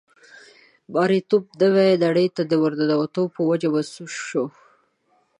مرییتوب نوې نړۍ ته د ورننوتو په وجه منسوخ شو.